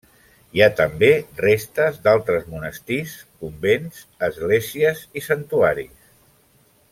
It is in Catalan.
Hi ha també restes d'altres monestirs, convents, esglésies i santuaris.